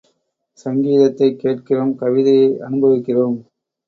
சங்கீதத்தைக் கேட்கிறோம், கவிதையை அனுபவிக்கிறோம்.